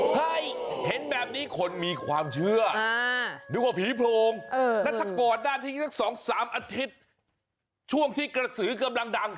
เห็นแบบนี้คนมีความเชื่อนึกว่าผีโพรงแล้วถ้าก่อนหน้านี้สัก๒๓อาทิตย์ช่วงที่กระสือกำลังดัง